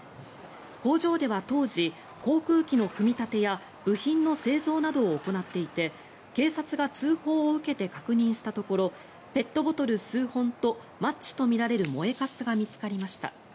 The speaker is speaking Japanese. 工場では当時航空機の組み立てや製造などを行っていて、警察が通報を受けて確認したところペットボトル数本とマッチとみられる燃えかすが見つかりました。